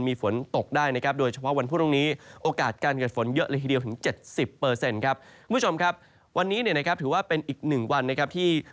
มีฝนตกได้โดยเฉพาะวันพรุ่งนี้